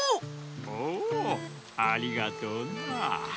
おおありがとうな。